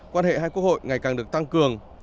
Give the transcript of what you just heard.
quan hệ hai quốc hội ngày càng được tăng cường